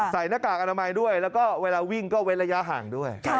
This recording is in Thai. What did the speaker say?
หน้ากากอนามัยด้วยแล้วก็เวลาวิ่งก็เว้นระยะห่างด้วย